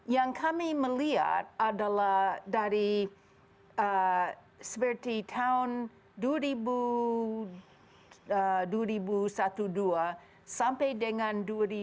yang kami melihat adalah dari seperti tahun dua ribu dua belas sampai dengan dua ribu dua puluh